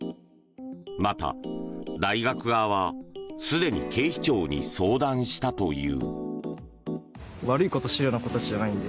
また、大学側はすでに警視庁に相談したという。